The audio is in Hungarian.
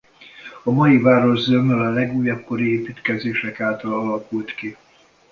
A mai város zömmel a legújabb kori építkezések által alakult ki.